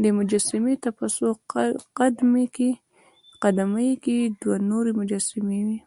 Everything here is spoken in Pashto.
دې مجسمې ته په څو قد مې کې دوه نورې مجسمې وې.